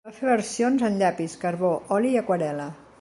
Va fer versions en llapis, carbó, oli i aquarel·la.